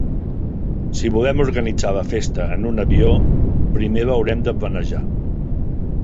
Si volem organitzar la festa en un avió, primer l'haurem de planejar.